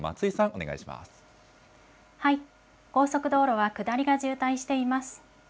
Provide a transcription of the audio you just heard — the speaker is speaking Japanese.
お高速道路は下りが渋滞しています。